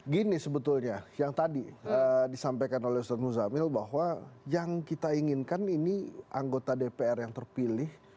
gini sebetulnya yang tadi disampaikan oleh ustadz muzamil bahwa yang kita inginkan ini anggota dpr yang terpilih